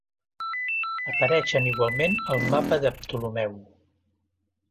Apareixen igualment al mapa de Ptolemeu.